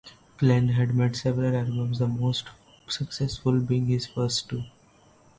Klein has made several albums, the most successful being his first two.